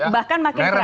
bahkan makin keras